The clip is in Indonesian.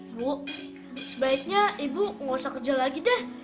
bu sebaiknya ibu nggak usah kerja lagi deh